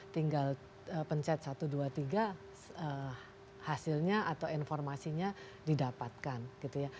tinggal pencet satu dua tiga hasilnya atau informasinya didapatkan gitu ya